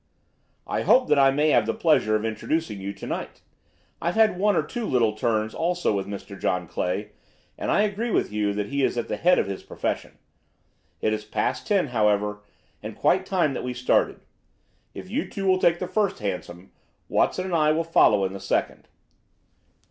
"I hope that I may have the pleasure of introducing you to night. I've had one or two little turns also with Mr. John Clay, and I agree with you that he is at the head of his profession. It is past ten, however, and quite time that we started. If you two will take the first hansom, Watson and I will follow in the second."